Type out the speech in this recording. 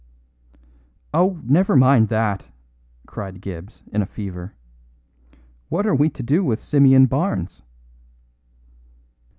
"Oh, never mind that," cried Gibbs, in a fever. "What are we to do with Simeon Barnes?"